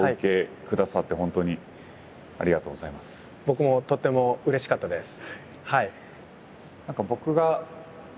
僕もとってもうれしかったです。